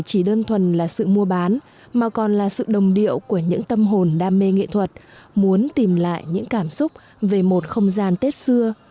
chỉ đơn thuần là sự mua bán mà còn là sự đồng điệu của những tâm hồn đam mê nghệ thuật muốn tìm lại những cảm xúc về một không gian tết xưa